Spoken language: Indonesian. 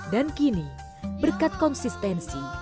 dan kini berkat konsistensi